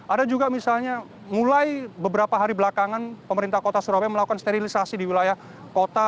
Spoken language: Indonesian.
ada juga misalnya mulai beberapa hari belakangan pemerintah kota surabaya melakukan sterilisasi di wilayah kota